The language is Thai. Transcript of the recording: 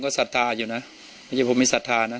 ผมก็ศัฒนาอยู่นะไม่ใช่ผมไม่ศัฒนานะ